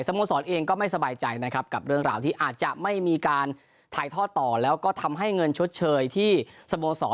โมสรเองก็ไม่สบายใจนะครับกับเรื่องราวที่อาจจะไม่มีการถ่ายทอดต่อแล้วก็ทำให้เงินชดเชยที่สโมสร